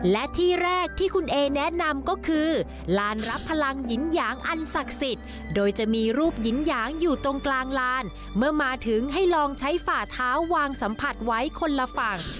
และที่แรกที่คุณเอแนะนำก็คือลานรับพลังหินหยางอันศักดิ์สิทธิ์โดยจะมีรูปหินหยางอยู่ตรงกลางลานเมื่อมาถึงให้ลองใช้ฝ่าเท้าวางสัมผัสไว้คนละฝั่ง